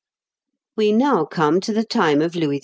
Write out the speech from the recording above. We now come to the time of Louis IX.